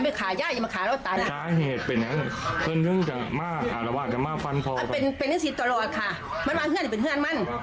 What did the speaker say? เป็นห้ั่งพ่อแม่สามารถมันมาอยู่เป็นลูกเขยมาอยู่ซื้อ